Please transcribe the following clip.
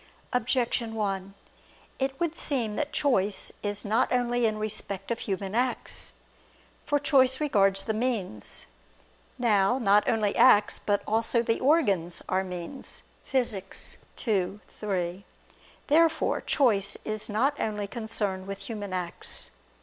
Objection 1: It would seem that choice is not only in respect of human acts. For choice regards the means. Now, not only acts, but also the organs, are means (Phys. ii, 3). Therefore choice is not only concerned with human acts.